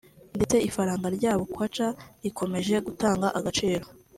ndetse ifaranga ryabo (Kwaca) rikomeje guta agaciro